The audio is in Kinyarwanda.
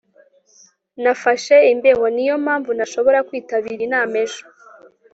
nafashe imbeho. niyo mpamvu ntashobora kwitabira inama ejo